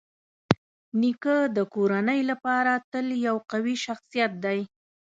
نیکه د کورنۍ لپاره تل یو قوي شخصيت دی.